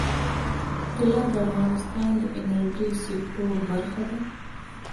طلا د افغانستان د انرژۍ سکتور برخه ده.